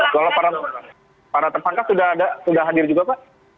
kalau para terpangkat sudah hadir juga pak